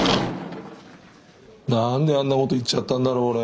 何であんなこと言っちゃったんだろう俺。